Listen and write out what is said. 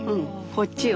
こっちよ。